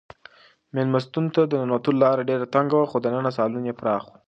مېلمستون ته د ننوتلو لاره ډېره تنګه وه خو دننه سالون یې پراخه و.